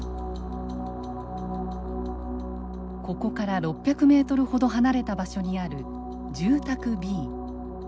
ここから６００ｍほど離れた場所にある住宅Ｂ。